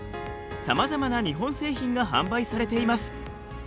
さまざまな日本製品が販売されています。